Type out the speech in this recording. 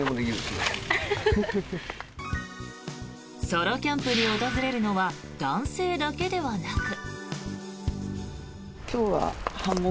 ソロキャンプに訪れるのは男性だけではなく。